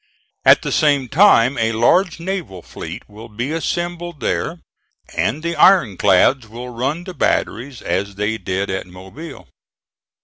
At the same time a large naval fleet will be assembled there, and the iron clads will run the batteries as they did at Mobile.